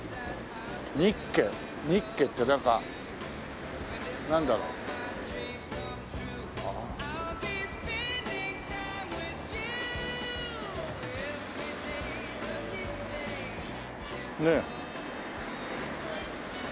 ニッケニッケってなんかなんだろう？ねえ。